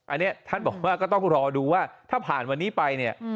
อันนี้ท่านบอกว่าก็ต้องรอดูว่าถ้าผ่านวันนี้ไปเนี่ย